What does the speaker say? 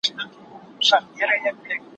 ن